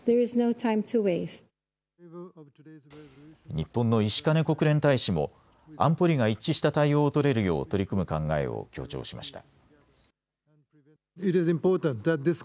日本の石兼国連大使も安保理が一致した対応を取れるよう取り組む考えを強調しました。